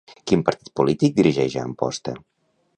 Quin partit polític dirigeix a Amposta?